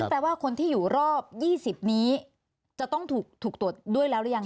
แปลว่าคนที่อยู่รอบ๒๐นี้จะต้องถูกตรวจด้วยแล้วหรือยัง